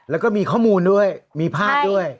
แล้วก็มีข้อมูลด้วยมีภาพด้วย